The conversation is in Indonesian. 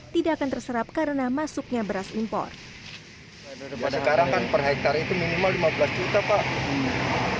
tidak akan terserap karena masuknya beras impor sekarang kan per hektare itu minimal lima belas juta pak